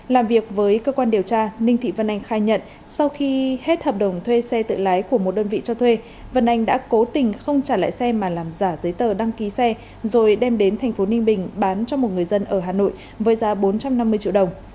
làm việc với cơ quan điều tra ninh thị văn anh khai nhận sau khi hết hợp đồng thuê xe tự lái của một đơn vị cho thuê vân anh đã cố tình không trả lại xe mà làm giả giấy tờ đăng ký xe rồi đem đến thành phố ninh bình bán cho một người dân ở hà nội với giá bốn trăm năm mươi triệu đồng